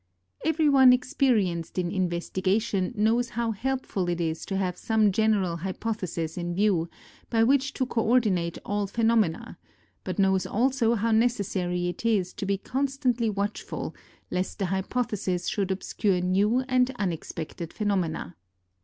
Everyone experienced in investigation knows how helpful it is to have some general hypothesis in view, by which to co ordinate all phenomena, but knows also how necessary it is to be constantly watchful lest the hypothesis should obscure new and unexpected phenomena.